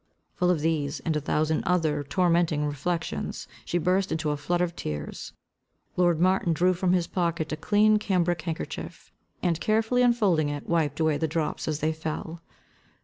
Full of these, and a thousand other tormenting reflections, she burst into a flood of tears. Lord Martin drew from his pocket a clean cambric handkerchief, and, carefully unfolding it, wiped away the drops as they fell.